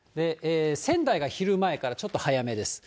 仙台が昼前から、ちょっと早めです。